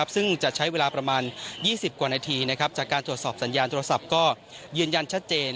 ซึ่งจะใช้เวลาประมาณ๒๐กว่านาทีจากการตรวจสอบสัญญาณโทรศัพท์ก็ยืนยันชัดเจน